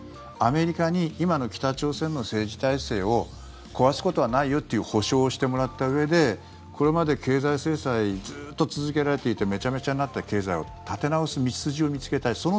アメリカに今の北朝鮮の政治体制を壊すことはないよという保証をしてもらったうえでこれまで経済制裁ずっと続けられていてめちゃめちゃになった経済を立て直す道筋を見つけたい。